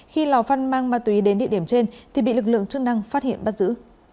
khi lò phân mang ma túy đến địa điểm trên thì bị lực lượng chức năng phát hiện bắt giữ